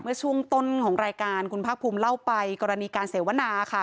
เมื่อช่วงต้นของรายการคุณภาคภูมิเล่าไปกรณีการเสวนาค่ะ